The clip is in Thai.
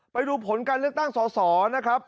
ไปดูผลการเลือกตั้งสอสอนะครับ